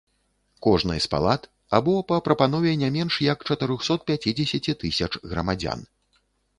Кожнай з палат, або па прапанове не менш як чатырсот пяцідзесяці тысяч грамадзян.